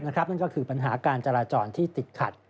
นั่นก็คือปัญหาการจราจรที่ติดขัด